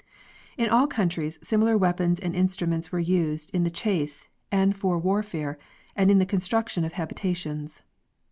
In all countries similar weapons and instruments were used in the chase and for warfare and in the construction of habita tions.